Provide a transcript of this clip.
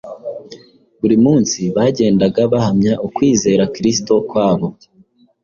buri munsi bagendaga bahamya ukwizera Kristo kwabo.